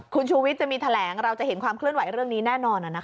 คุณชูวิทย์จะมีแถลงเราจะเห็นความเคลื่อนไหวเรื่องนี้แน่นอน